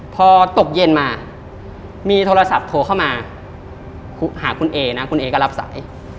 พอตกเย็นมามีโทรศัพท์โทรเข้ามาหาคุณเอนะคุณเอก็รับสาย